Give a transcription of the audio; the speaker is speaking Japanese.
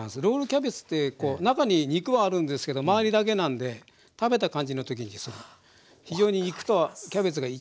ロールキャベツって中に肉はあるんですけど周りだけなんで食べた感じの時にですね。